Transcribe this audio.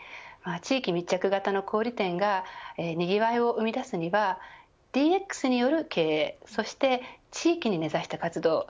地域密着型の小売店がにぎわいを生み出すにはＤＸによる経営そして地域に根差した活動